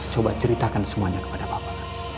coba ceritakan semuanya kepada bapak